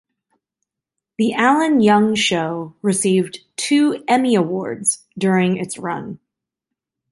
"The Alan Young Show" received two Emmy Awards during its run.